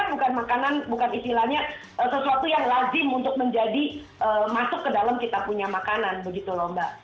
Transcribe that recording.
tapi itu kan bukan makanan bukan istilahnya sesuatu yang lazim untuk menjadi masuk ke dalam kita punya makanan begitu lomba